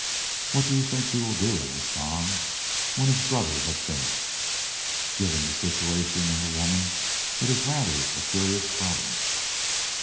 "What do you think she will do?" asked Tom when his brother had finished. "Given the situation and the woman, it is rather a curious problem."